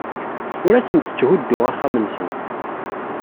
Ur asent-tthudduɣ axxam-nsent.